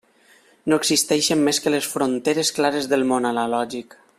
No existeixen més les fronteres clares del món analògic.